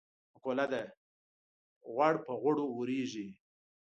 مقوله ده: غوړ په غوړو اورېږي.